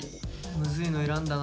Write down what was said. むずいの選んだな。